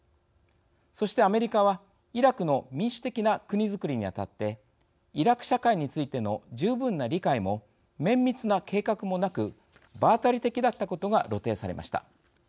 そして、アメリカはイラクの民主的な国づくりに当たってイラク社会についての十分な理解も、綿密な計画もなく場当たり的だったことが露呈されました。